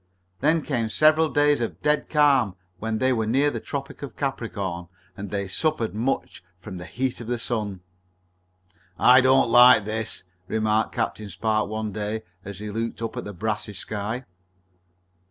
Then came several days of dead calm, when they were near the Tropic of Capricorn, and they suffered much from the heat of the sun. "I don't like this," remarked Captain Spark one day, as he looked up at the brassy sky.